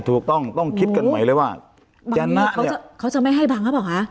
ถูกต้องต้องคิดกันใหม่เลยว่าเขาจะไม่ให้บังหรือเปล่าคะ